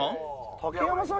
竹山さん